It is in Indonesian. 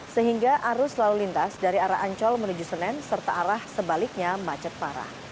sehingga arus lalu lintas dari arah ancol menuju senen serta arah sebaliknya macet parah